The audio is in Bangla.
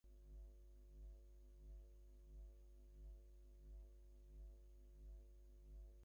বর্তমান ব্যবস্থায়, দালিলিক প্রতিরোধের পাশাপাশি কায়িক প্রতিরোধের ওপরও গুরুত্ব দেওয়া হয়।